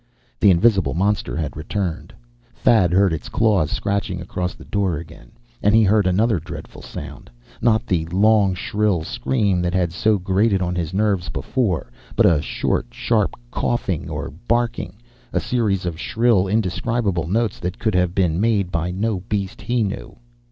The invisible monster had returned. Thad heard its claws scratching across the door again. And he heard another dreadful sound not the long, shrill scream that had so grated on his nerves before, but a short, sharp coughing or barking, a series of shrill, indescribable notes that could have been made by no beast he knew.